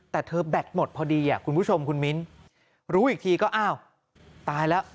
แต่เธอแบตหมดพอดีคุณผู้ชมคุณมิ้นรู้อีกทีก็อ้าวตายแล้ว